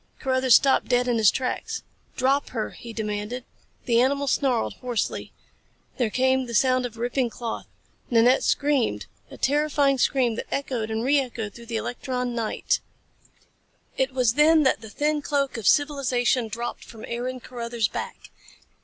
Carruthers stopped dead in his tracks. "Drop her!" he demanded. The animal snarled hoarsely. There came the sound of ripping cloth. Nanette screamed a terrifying scream that echoed and re echoed through the electron night. It was then that the thin cloak of civilization dropped from Aaron Carruthers' back.